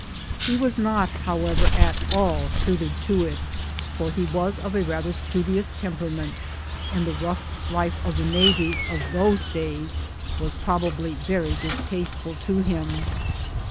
He was not, however, at all suited to it, for he was of a rather studious temperament, and the rough life of the Navy of those days was probably very distasteful to him.